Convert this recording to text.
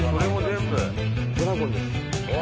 ドラゴンです。